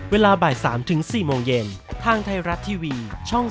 เวลาบ่าย๓๔โมงเย็นทางไทยรัฐทีวีช่อง๓๒